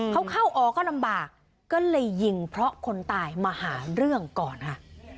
เขาเข้าออก็ลำบากก็เลยยิงเพราะคนตายมาหาเรื่องก่อนค่ะ